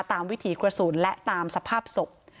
วิถีกระสุนและตามสภาพศพ